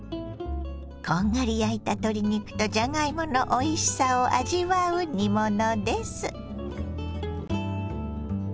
こんがり焼いた鶏肉とじゃがいものおいしさを味わう煮物です。